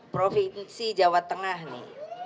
provinsi jawa tengah nih